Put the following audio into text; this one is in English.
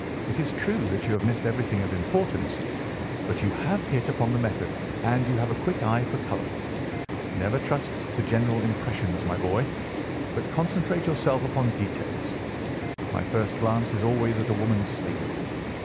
It is true that you have missed everything of importance, but you have hit upon the method, and you have a quick eye for colour. Never trust to general impressions, my boy, but concentrate yourself upon details. My first glance is always at a woman's sleeve.